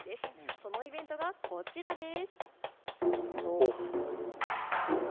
そのイベントがこちらです。